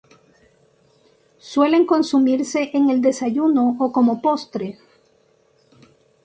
Suelen consumirse en el desayuno o como postre.